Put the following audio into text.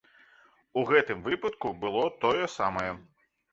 У гэтым выпадку было тое самае.